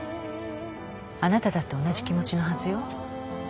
あなただって同じ気持ちのはずよ。